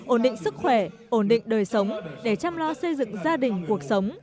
ổn định sức khỏe ổn định đời sống để chăm lo xây dựng gia đình cuộc sống